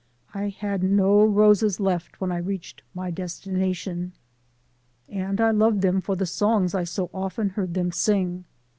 I had no roses left when I reached my destination. And I loved them for the songs I so often heard them sing.